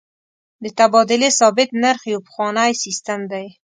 د تبادلې ثابت نرخ یو پخوانی سیستم دی.